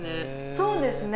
そうですね。